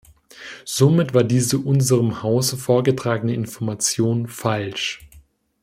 Somit war diese unserem Hause vorgetragene Information falsch.